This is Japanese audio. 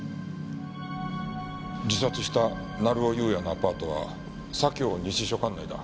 自殺した成尾優也のアパートは左京西署管内だ。